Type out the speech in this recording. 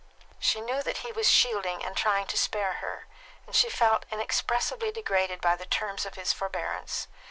She knew that he was shielding and trying to spare her, and she felt inexpressibly degraded by the terms of his forbearance.